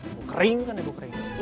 gue kering kan ya gue kering